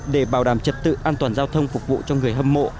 để bảo đảm trật tự an toàn giao thông phục vụ cho người hâm mộ